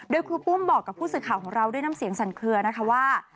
โดยครูปุ้มบอกกับผู้สื่อข่าวของเราด้วยน้ำเสียงสั่นเคลือนะคะว่า